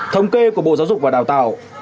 thông kê của bộ giáo dục và đào tạo